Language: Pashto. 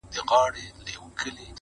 اوس خو رڼاگاني كيسې نه كوي~